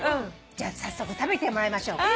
じゃあ早速食べてもらいましょう。